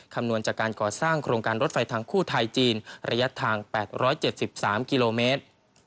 คำนวณจากการก่อสร้างโครงการรถไฟทางคู่ไทยจีนระยะทาง๘๗๓กิโลเมตร